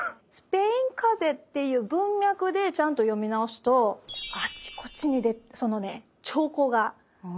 スペインかぜっていう文脈でちゃんと読み直すとあちこちにねそのね兆候が。